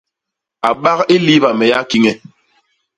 A bak i liiba me yak kiñe.